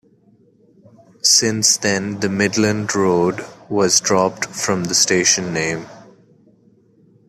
Since then the 'Midland Road' was dropped from the station name.